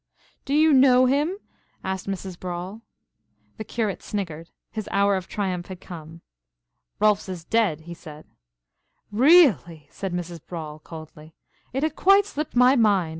"Do you know him?" asked Mrs. Brawle. The Curate sniggered. His hour of triumph had come. "Rohlfs is dead," he said. "Really!" said Mrs. Brawle, coldly. "It had quite slipped my mind.